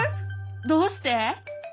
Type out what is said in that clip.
どうして？